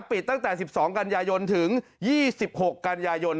ปิดตั้งแต่สิบสองกันยายนถึงยี่สิบหกกันยายน